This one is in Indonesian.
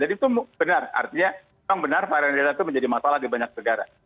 jadi itu benar artinya memang benar varian delta itu menjadi masalah di banyak negara